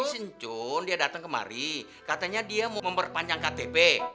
langsung cun dia datang kemari katanya dia mau memperpanjang ktp